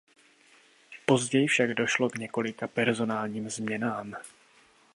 Později však došlo k několika personálním změnám.